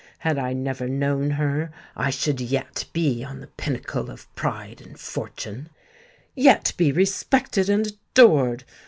Had I never known her, I should yet be on the pinnacle of pride and fortune,—yet be respected and adored!